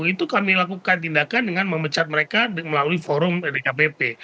itu kami lakukan tindakan dengan memecat mereka melalui forum dkpp